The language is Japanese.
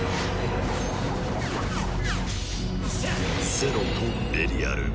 ゼロとベリアル。